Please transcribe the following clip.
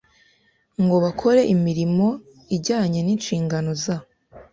ngo bakore imirimo ijyanye n inshingano za